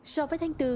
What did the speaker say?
so với tháng bốn